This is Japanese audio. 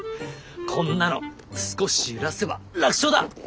こんなの少し揺らせば楽勝だ。